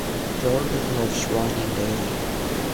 Jordan loves running daily.